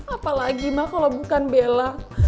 apa lagi ma kalau bukan bella